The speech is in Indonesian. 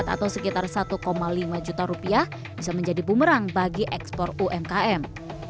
atau sekitar satu lima juta rupiah bisa menjadi bumerang bagi ekspor umkm